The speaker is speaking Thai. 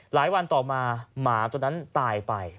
หลายวันต่อมาหมาตัวนั้นตายไป